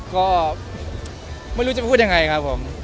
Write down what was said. คนมองว่าเรามันต้องโดยแต่ว่าเรามีเรื่องอะไร